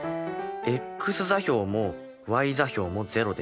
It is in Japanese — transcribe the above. ｘ座標もｙ座標も０です。